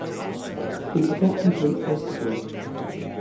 He did not complete his degree.